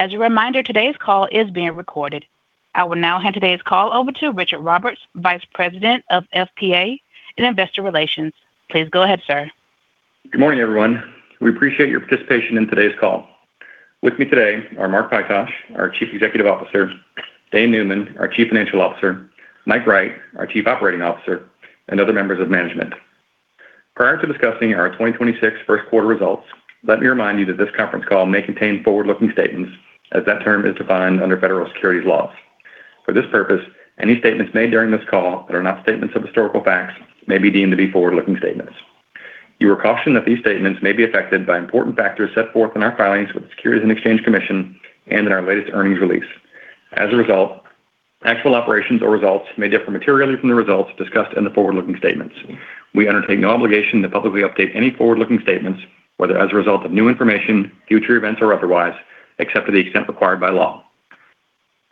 As a reminder, today's call is being recorded. I will now hand today's call over to Richard Roberts, Vice President of FP&A and Investor Relations. Please go ahead, sir. Good morning, everyone. We appreciate your participation in today's call. With me today are Mark Pytosh, our Chief Executive Officer, Dane Neumann, our Chief Financial Officer, Mike Wright, our Chief Operating Officer, and other members of management. Prior to discussing our 2026 first quarter results, let me remind you that this conference call may contain forward-looking statements as that term is defined under federal securities laws. For this purpose, any statements made during this call that are not statements of historical facts may be deemed to be forward-looking statements. You are cautioned that these statements may be affected by important factors set forth in our filings with the Securities and Exchange Commission and in our latest earnings release. As a result, actual operations or results may differ materially from the results discussed in the forward-looking statements. We undertake no obligation to publicly update any forward-looking statements, whether as a result of new information, future events or otherwise, except to the extent required by law.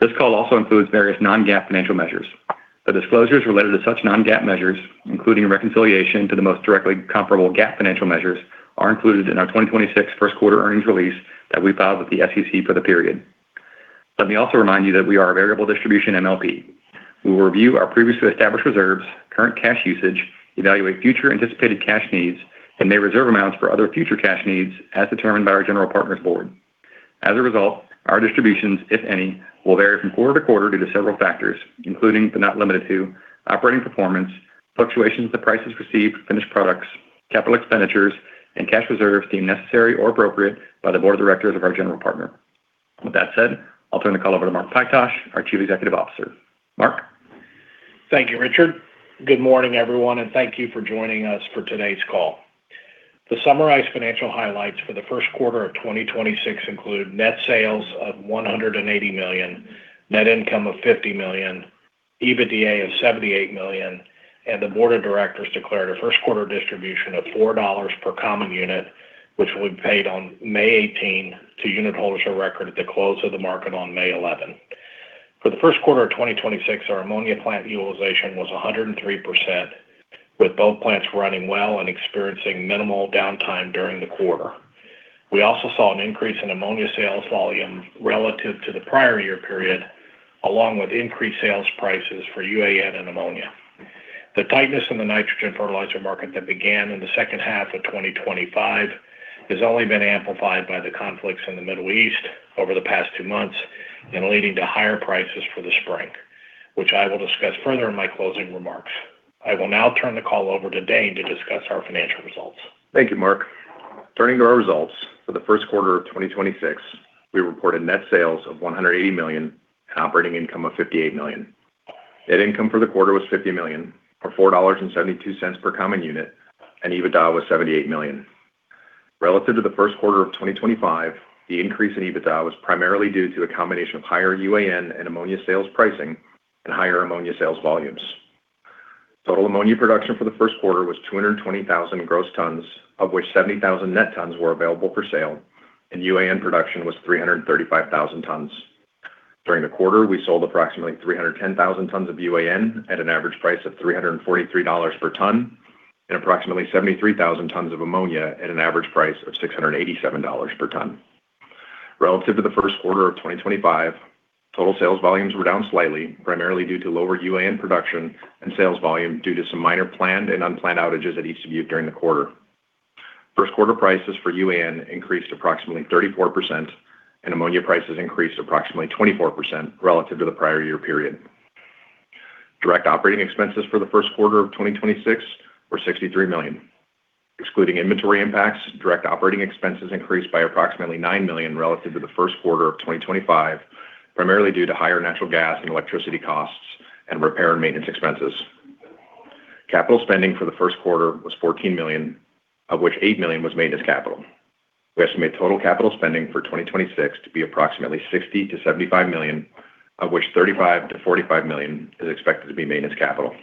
This call also includes various non-GAAP financial measures. The disclosures related to such non-GAAP measures, including a reconciliation to the most directly comparable GAAP financial measures, are included in our 2026 first quarter earnings release that we filed with the SEC for the period. Let me also remind you that we are a variable distribution MLP. We'll review our previously established reserves, current cash usage, evaluate future anticipated cash needs, and may reserve amounts for other future cash needs as determined by our general partners board. As a result, our distributions, if any, will vary from quarter to quarter due to several factors, including but not limited to operating performance, fluctuations of prices received, finished products, capital expenditures, and cash reserves deemed necessary or appropriate by the board of directors of our general partner. With that said, I'll turn the call over to Mark Pytosh, our Chief Executive Officer. Mark? Thank you, Richard. Good morning, everyone, and thank you for joining us for today's call. To summarize financial highlights for the first quarter of 2026 include net sales of $180 million, net income of $50 million, EBITDA of $78 million, and the board of directors declared a first quarter distribution of $4 per common unit, which will be paid on May 18 to unit holders of record at the close of the market on May 11. For the first quarter of 2026, our Ammonia plant utilization was 103%, with both plants running well and experiencing minimal downtime during the quarter. We also saw an increase in Ammonia sales volume relative to the prior year period, along with increased sales prices for UAN and Ammonia. The tightness in the nitrogen fertilizer market that began in the second half of 2025 has only been amplified by the conflicts in the Middle East over the past two months and leading to higher prices for the spring, which I will discuss further in my closing remarks. I will now turn the call over to Dane to discuss our financial results. Thank you, Mark. Turning to our results, for the first quarter of 2026, we reported net sales of $180 million and operating income of $58 million. Net income for the quarter was $50 million, or $4.72 per common unit, and EBITDA was $78 million. Relative to the first quarter of 2025, the increase in EBITDA was primarily due to a combination of higher UAN and ammonia sales pricing and higher ammonia sales volumes. Total ammonia production for the first quarter was 220,000 gross tons, of which 70,000 net tons were available for sale, and UAN production was 335,000 tons. During the quarter, we sold approximately 310,000 tons of UAN at an average price of $343 per ton and approximately 73,000 tons of Ammonia at an average price of $687 per ton. Relative to the first quarter of 2025, total sales volumes were down slightly, primarily due to lower UAN production and sales volume due to some minor planned and unplanned outages at East Dubuque during the quarter. First quarter prices for UAN increased approximately 34%, and Ammonia prices increased approximately 24% relative to the prior year period. Direct operating expenses for the first quarter of 2026 were $63 million. Excluding inventory impacts, direct operating expenses increased by approximately $9 million relative to the first quarter of 2025, primarily due to higher natural gas and electricity costs and repair and maintenance expenses. Capital spending for the first quarter was $14 million, of which $8 million was maintenance capital. We estimate total capital spending for 2026 to be approximately $60 million-$75 million, of which $35 million-$45 million is expected to be maintenance capital.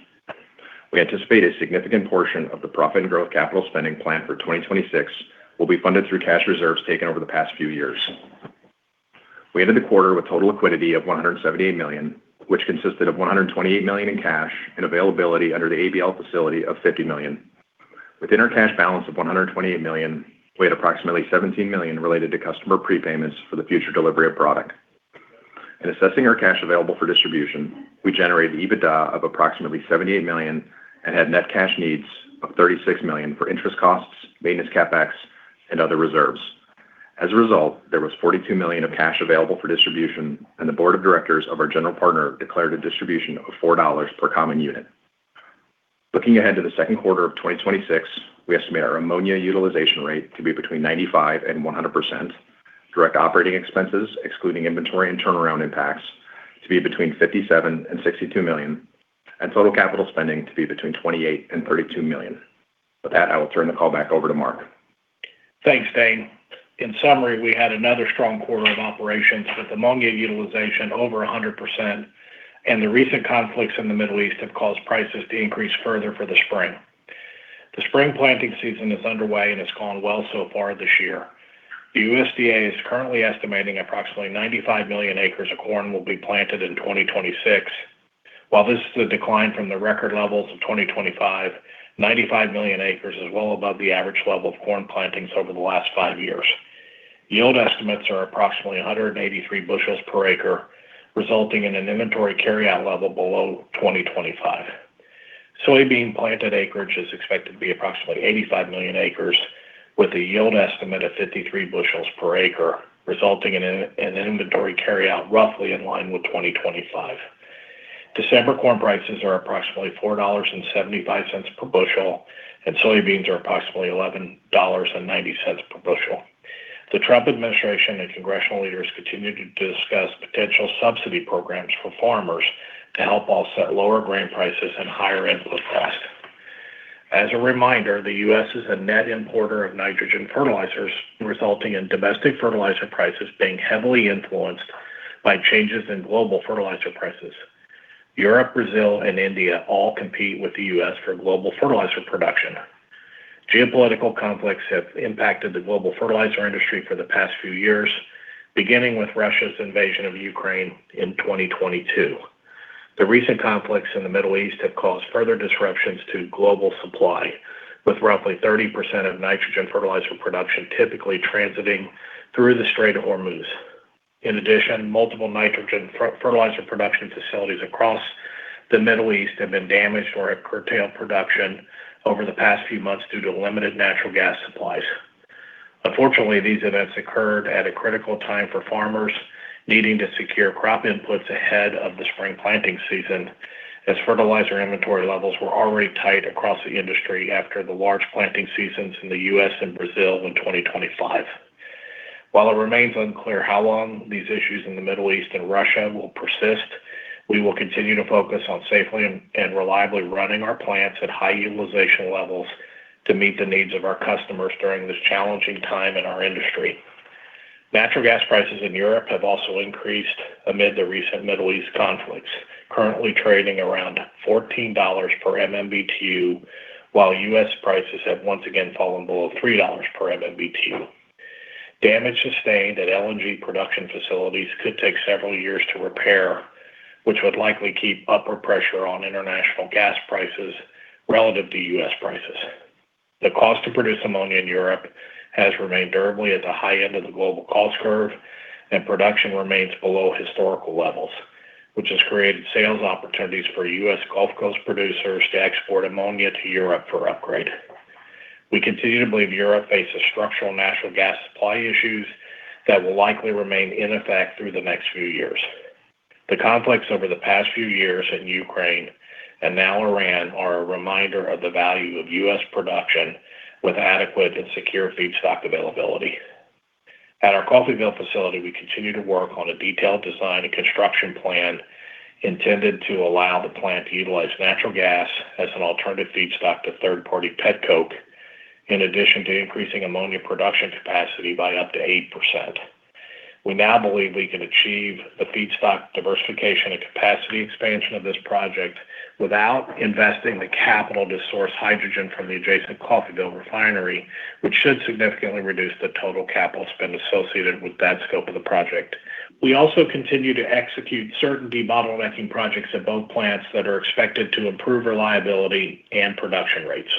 We anticipate a significant portion of the profit and growth capital spending plan for 2026 will be funded through cash reserves taken over the past few years. We ended the quarter with total liquidity of $178 million, which consisted of $128 million in cash and availability under the ABL facility of $50 million. With internal cash balance of $128 million, we had approximately $17 million related to customer prepayments for the future delivery of product. In assessing our cash available for distribution, we generated EBITDA of approximately $78 million and had net cash needs of $36 million for interest costs, maintenance CapEx, and other reserves. As a result, there was $42 million of cash available for distribution, and the board of directors of our general partner declared a distribution of $4 per common unit. Looking ahead to the second quarter of 2026, we estimate our Ammonia utilization rate to be between 95% and 100%, direct operating expenses, excluding inventory and turnaround impacts, to be between $57 million and $62 million, and total capital spending to be between $28 million and $32 million. With that, I will turn the call back over to Mark. Thanks, Dane. In summary, we had another strong quarter of operations with ammonia utilization over 100%. The recent conflicts in the Middle East have caused prices to increase further for the spring. The spring planting season is underway and it's gone well so far this year. The USDA is currently estimating approximately 95 million acres of corn will be planted in 2026. While this is a decline from the record levels of 2025, 95 million acres is well above the average level of corn plantings over the last five years. Yield estimates are approximately 183 bushels per acre, resulting in an inventory carryout level below 2025. Soybean planted acreage is expected to be approximately 85 million acres with a yield estimate of 53 bushels per acre, resulting in an inventory carryout roughly in line with 2025. December corn prices are approximately $4.75 per bushel, and soybeans are approximately $11.90 per bushel. The Trump Administration and congressional leaders continue to discuss potential subsidy programs for farmers to help offset lower grain prices and higher input costs. As a reminder, the U.S. is a net importer of nitrogen fertilizers, resulting in domestic fertilizer prices being heavily influenced by changes in global fertilizer prices. Europe, Brazil, and India all compete with the U.S. for global fertilizer production. Geopolitical conflicts have impacted the global fertilizer industry for the past few years, beginning with Russia's invasion of Ukraine in 2022. The recent conflicts in the Middle East have caused further disruptions to global supply, with roughly 30% of nitrogen fertilizer production typically transiting through the Strait of Hormuz. In addition, multiple nitrogen fertilizer production facilities across the Middle East have been damaged or have curtailed production over the past few months due to limited natural gas supplies. Unfortunately, these events occurred at a critical time for farmers needing to secure crop inputs ahead of the spring planting season, as fertilizer inventory levels were already tight across the industry after the large planting seasons in the U.S. and Brazil in 2025. While it remains unclear how long these issues in the Middle East and Russia will persist, we will continue to focus on safely and reliably running our plants at high utilization levels to meet the needs of our customers during this challenging time in our industry. Natural gas prices in Europe have also increased amid the recent Middle East conflicts, currently trading around $14 per MMBtu, while U.S. prices have once again fallen below $3 per MMBtu. Damage sustained at LNG production facilities could take several years to repair, which would likely keep upward pressure on international gas prices relative to U.S. prices. The cost to produce Ammonia in Europe has remained durably at the high end of the global cost curve, and production remains below historical levels, which has created sales opportunities for U.S. Gulf Coast producers to export Ammonia to Europe for upgrade. We continue to believe Europe faces structural natural gas supply issues that will likely remain in effect through the next few years. The conflicts over the past few years in Ukraine and now Iran are a reminder of the value of U.S. production with adequate and secure feedstock availability. At our Coffeyville facility, we continue to work on a detailed design and construction plan intended to allow the plant to utilize natural gas as an alternative feedstock to third-party petcoke, in addition to increasing ammonia production capacity by up to 8%. We now believe we can achieve the feedstock diversification and capacity expansion of this project without investing the capital to source hydrogen from the adjacent Coffeyville refinery, which should significantly reduce the total capital spend associated with that scope of the project. We also continue to execute certain debottlenecking projects at both plants that are expected to improve reliability and production rates.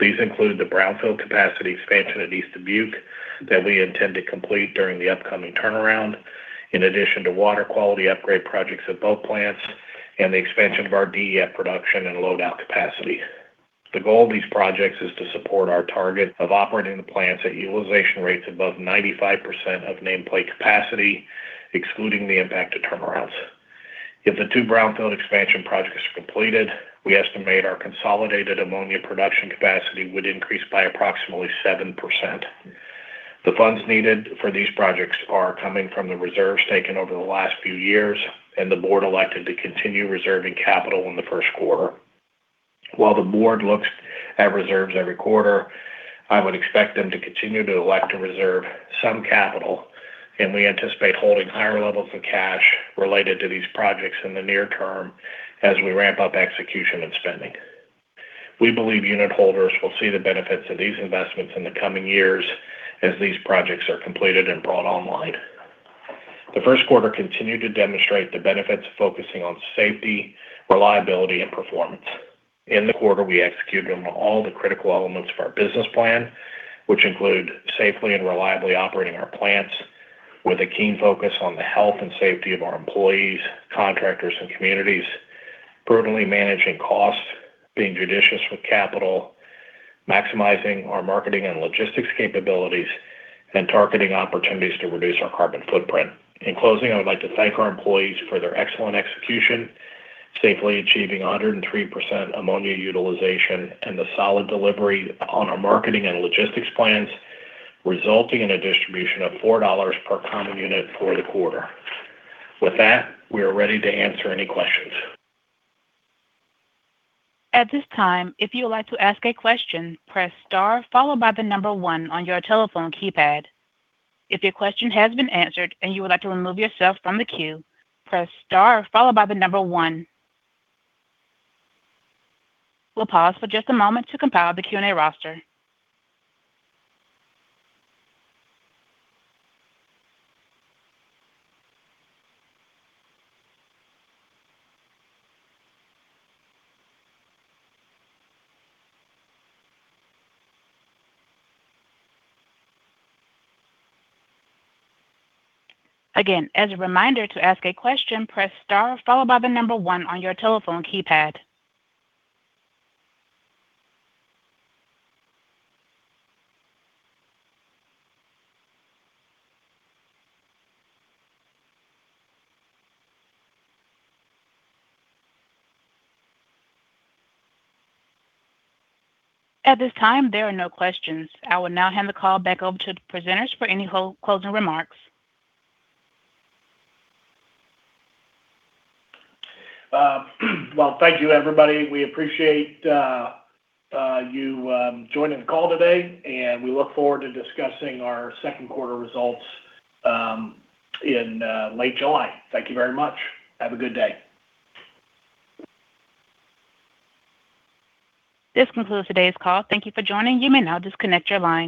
These include the brownfield capacity expansion at East Dubuque that we intend to complete during the upcoming turnaround, in addition to water quality upgrade projects at both plants and the expansion of our DEF production and load-out capacity. The goal of these projects is to support our target of operating the plants at utilization rates above 95% of nameplate capacity, excluding the impact of turnarounds. If the two brownfield expansion projects are completed, we estimate our consolidated ammonia production capacity would increase by approximately 7%. The funds needed for these projects are coming from the reserves taken over the last few years. The board elected to continue reserving capital in the first quarter. While the board looks at reserves every quarter, I would expect them to continue to elect to reserve some capital. We anticipate holding higher levels of cash related to these projects in the near term as we ramp up execution and spending. We believe unitholders will see the benefits of these investments in the coming years as these projects are completed and brought online. The first quarter continued to demonstrate the benefits of focusing on safety, reliability, and performance. In the quarter, we executed on all the critical elements of our business plan, which include safely and reliably operating our plants with a keen focus on the health and safety of our employees, contractors, and communities, prudently managing costs, being judicious with capital, maximizing our marketing and logistics capabilities, and targeting opportunities to reduce our carbon footprint. In closing, I would like to thank our employees for their excellent execution, safely achieving 103% Ammonia utilization and the solid delivery on our marketing and logistics plans, resulting in a distribution of $4 per common unit for the quarter. With that, we are ready to answer any questions. At this time, if you would like to ask a question, press star followed by the number one on your telephone keypad. If your question has been answered and you would like to remove yourself from the queue, press star followed by the number one. We'll pause for just a moment to compile the Q&A roster. Again, as a reminder, to ask a question, press star followed by the number one on your telephone keypad. At this time, there are no questions. I will now hand the call back over to the presenters for any closing remarks. Well, thank you, everybody. We appreciate you joining the call today, and we look forward to discussing our second quarter results in late July. Thank you very much. Have a good day. This concludes today's call. Thank you for joining. You may now disconnect your line.